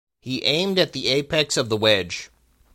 He aimed at the apex of the wedge.